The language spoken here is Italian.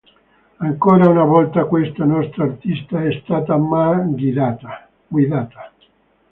Ancora una volta questa nostra artista è stata mal guidata.